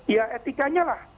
ya etikanya lah